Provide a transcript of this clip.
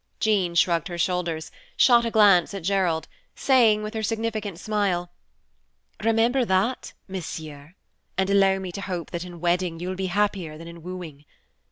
Jean shrugged her shoulders, and shot a glance at Gerald, saying with her significant smile, "Remember that, monsieur, and allow me to hope that in wedding you will be happier than in wooing.